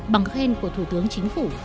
bằng khen của thủ tướng chính phủ